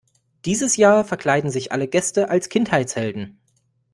Dieses Jahr verkleiden sich alle Gäste als Kindheitshelden.